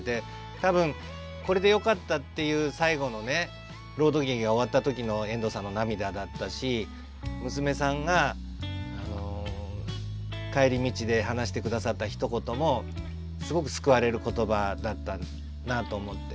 多分これでよかったっていう最後のね朗読劇が終わった時の遠藤さんの涙だったし娘さんが帰り道で話して下さったひと言もすごく救われる言葉だったなと思って。